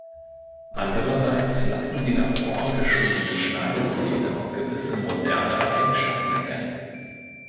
Andererseits lassen die nach vorn geschobenen Schneidezähne auch gewisse modernere Eigenschaften erkennen.